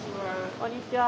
こんにちは。